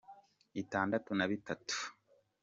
itandatu na bitatu Frw.